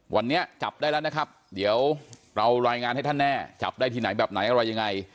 วันนี้จับได้แล้วนะครับเดี๋ยวเรารายงานให้ท่านแน่จับได้ที่ไหนแบบไหนอะไรยังไง